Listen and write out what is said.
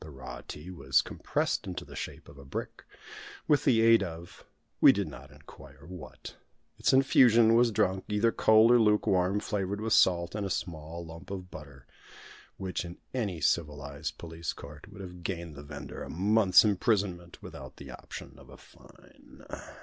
The raw tea was compressed into the shape of a brick, with the aid of we did not inquire what; its infusion was drunk, either cold or lukewarm, flavoured with salt, and a small lump of butter which in any civilised police court would have gained the vendor a month's imprisonment without the option of a fine.